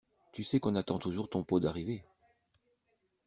Tu sais qu'on attend toujours ton pot d'arrivée!